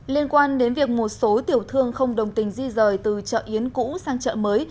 liên quan đến việc một số tiểu thương không đồng tình di rời từ chợ yến cũ sang chợ mới